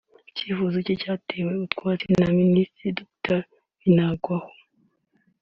icyifuzo cye cyatewe utwatsi na Minisitiri Dr Binagwaho